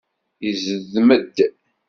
Izdem-d.